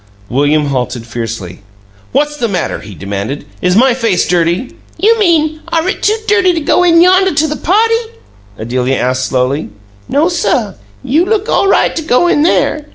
William halted fiercely. "What's the matter?" he demanded. "Is my face dirty?" "You mean, are it too dirty to go in yonduh to the party?" Adelia asked, slowly. "No, suh; you look all right to go in there.